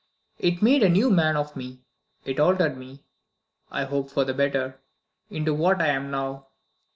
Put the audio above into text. It made a new man of me; it altered me ( I hope for the better) into what I am now.